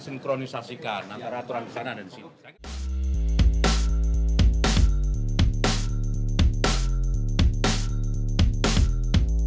sinkronisasikan antara aturan sana dan sini